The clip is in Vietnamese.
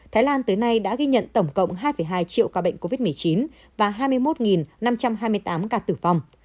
thái lan tới nay đã ghi nhận tổng cộng hai hai triệu ca bệnh covid một mươi chín và hai mươi một năm trăm hai mươi tám ca tử vong